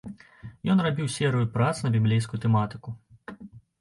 Ён рабіў серыю прац на біблейскую тэматыку.